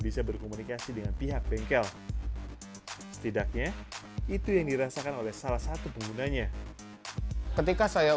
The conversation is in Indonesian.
empat bulan berikutnya